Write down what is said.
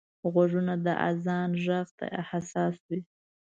غوږونه د اذان غږ ته حساس وي